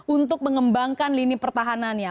untuk mengembangkan lini pertahanannya